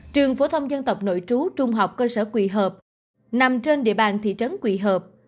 trường phổ thông dân tộc nội trú trung học cơ sở quỳ hợp nằm trên địa bàn thị trấn quỳ hợp